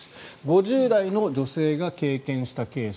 ５０代の女性が経験したケース。